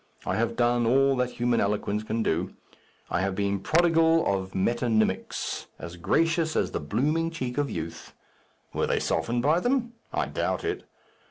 I have done all that human eloquence can do. I have been prodigal of metonymics, as gracious as the blooming cheek of youth. Were they softened by them? I doubt it.